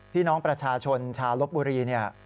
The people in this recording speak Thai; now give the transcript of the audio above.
พี่น้องประชาชนชาลบุรี